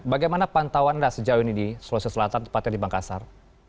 bagaimana pantauan anda sejauh ini di sulawesi selatan tepatnya di makassar